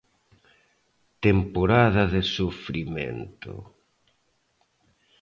Temporada de sufrimento.